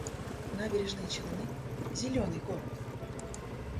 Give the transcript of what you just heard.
Набережные Челны — зелёный город